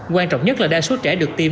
quan trọng nhất là đa số trẻ được tiêm